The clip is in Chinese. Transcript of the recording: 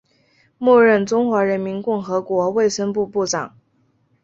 末任中华人民共和国卫生部部长。